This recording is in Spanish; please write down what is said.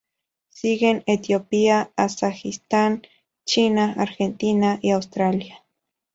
Siguen Etiopía, Kazajistán, China, Argentina y Australia.